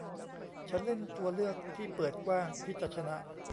ฉันเล่นตัวเลือกที่เปิดกว้างที่จะชนะ